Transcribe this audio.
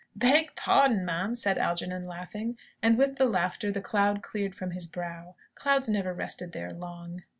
"Beg pardon, ma'am," said Algernon, laughing. And with the laughter, the cloud cleared from his brow. Clouds never rested there long.